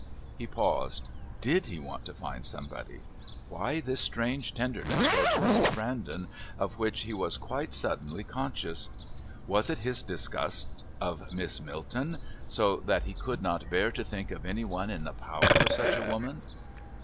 He paused. Did he want to find somebody? Why this strange tenderness towards Mrs. Brandon of which he was quite suddenly conscious? Was it his disgust of Miss Milton, so that he could not bear to think of any one in the power of such a woman?